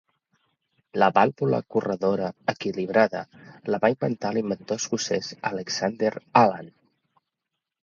La vàlvula corredora equilibrada la va inventar l'inventor escocès Alexander Allan.